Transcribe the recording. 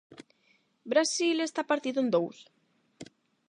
Brasil está partido en dous?